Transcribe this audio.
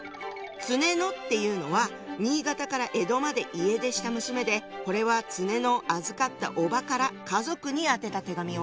常野っていうのは新潟から江戸まで家出した娘でこれは常野を預かったおばから家族に宛てた手紙よ。